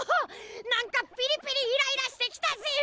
なんかピリピリイライラしてきたぜよ！